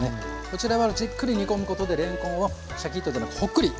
こちらはじっくり煮込むことでれんこんをシャキッとじゃないホックリ